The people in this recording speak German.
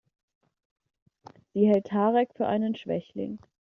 Sie hält Tarek für einen Schwächling.